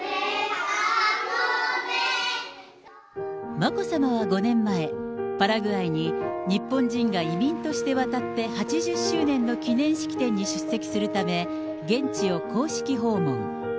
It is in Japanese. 眞子さまは５年前、パラグアイに日本人が移民として渡って８０周年の記念式典に出席するため、現地を公式訪問。